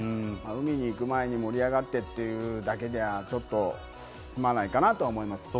海に行く前に盛り上がってというだけではちょっとすまないかなと思います。